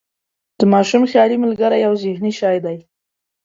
د ماشوم خیالي ملګری یو ذهني شی دی.